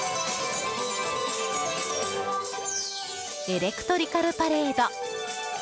エレクトリカルパレード。